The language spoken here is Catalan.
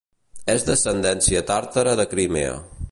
Es d'ascendència tàrtara de Crimea.